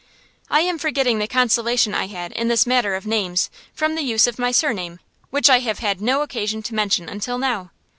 I am forgetting the consolation I had, in this matter of names, from the use of my surname, which I have had no occasion to mention until now.